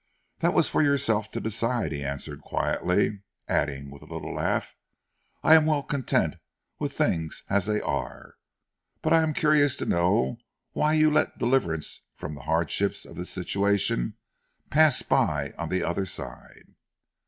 "That was for yourself to decide," he answered quietly, adding with a little laugh. "I am well content with things as they are. But I am curious to know why you let deliverance from the hardships of this situation pass by on the other side."